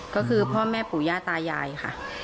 ก็คือพ่อแม่ปู่ย่าตายายค่ะ